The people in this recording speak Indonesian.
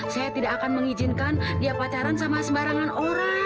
saya tidak akan mengizinkan dia pacaran sama sembarangan orang